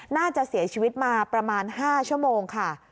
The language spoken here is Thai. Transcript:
น่าจะเสียชีวิตมาประมาณ๕ชั่วโมงค่ะ